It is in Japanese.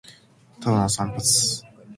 ただの散髪